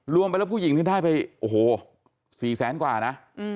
รวมไปแล้วผู้หญิงนี่ได้ไปโอ้โห๔แสนกว่านะ